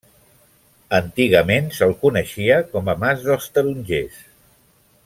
Antigament se'l coneixia com a mas dels Tarongers.